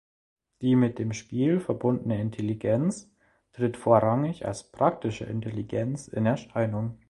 Die mit dem Spiel verbundene Intelligenz tritt vorrangig als „praktische Intelligenz“ in Erscheinung.